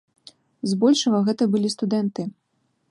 Збольшага гэта былі студэнты.